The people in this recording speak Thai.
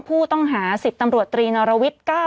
ผู้ต้องหาที่ขับขี่รถจากอายานยนต์บิ๊กไบท์